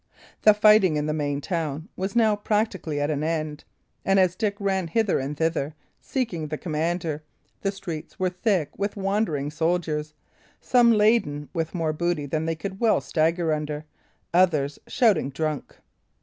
The fighting in the main town was now practically at an end; and as Dick ran hither and thither, seeking the commander, the streets were thick with wandering soldiers, some laden with more booty than they could well stagger under, others shouting drunk.